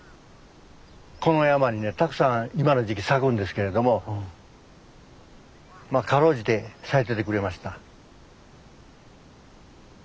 この山にねたくさん今の時期咲くんですけれどもまあ辛うじて咲いててくれました。